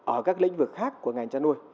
ở các lĩnh vực khác của ngành tra nuôi